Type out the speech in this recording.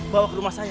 bawa ke rumah saya